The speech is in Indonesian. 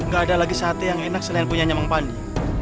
nggak ada lagi sate yang enak selain punya nyamang pandi